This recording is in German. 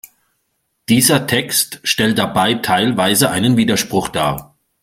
Dieser Text stellt dabei teilweise einen Widerspruch dar.